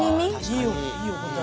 いいお答え。